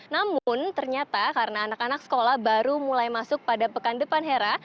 namun ternyata karena anak anak sekolah baru mulai masuk pada pekan depan hera